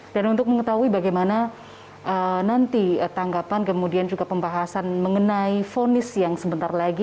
dan untuk mengetahui bagaimana nanti tanggapan kemudian juga pembahasan mengenai fonis yang sebentar lagi